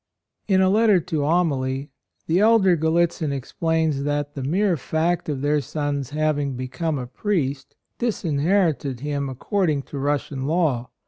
In a letter to Amalie the elder Gallitzin explains that the mere fact of their son's having become a 70 A ROYAL SON priest disinherited him accord ing to Russian law.